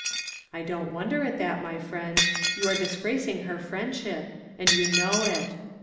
" I don't wonder at that, my friend. You are disgracing her friendship, and you know it.